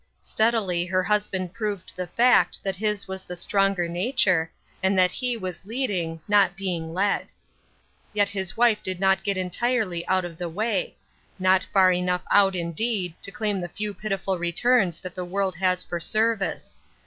Steadily her husband proved the fact that his was the stronger nature, and that he was lead ing, not being led. Yet his wife did not get en tirely out of the way — not far enough out, 4as Th^ Baptism of Suffering* 409 indeed, to claim the few pitiful returns that the world has for service.